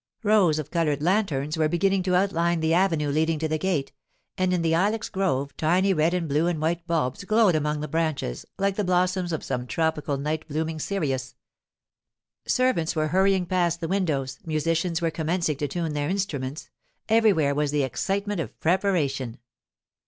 Rows of coloured lanterns were beginning to outline the avenue leading to the gate, and in the ilex grove tiny red and blue and white bulbs glowed among the branches like the blossoms of some tropical night blooming cereus. Servants were hurrying past the windows, musicians were commencing to tune their instruments; everywhere was the excitement of preparation.